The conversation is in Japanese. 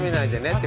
って。